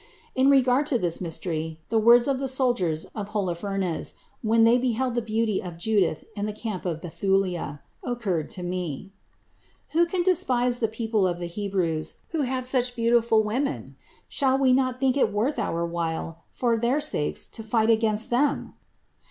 In regard to this mystery the words of the soldiers of Holof ernes when they beheld the beauty of Judith in the camp of Bethulia, occurred to me : "Who can despise the people of the Hebrews, who have such beautiful women? Shall we not think it worth our while for their sakes to fight against them?"